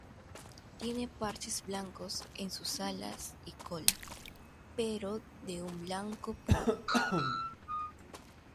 Tiene parches blancos en sus alas y cola, pero de un blanco puro.